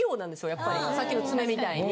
やっぱりさっきの爪みたいに。